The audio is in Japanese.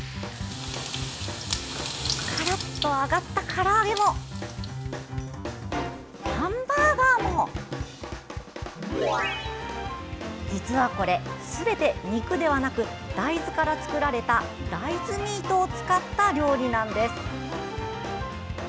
カラッと揚がったから揚げもハンバーガーも実はこれ、すべて肉ではなく大豆から作られた大豆ミートを使った料理なんです。